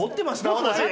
私。